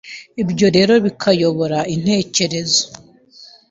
ibyo rero bikayobora intekerezo”